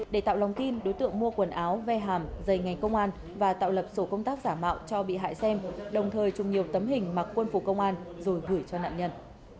để tạo lòng tin đối tượng mua quần áo ve hàm dày ngành công an và tạo lập sổ công tác giả mạo cho bị hại xem đồng thời trùng nhiều tấm hình mặc quân phục công an rồi gửi cho nạn nhân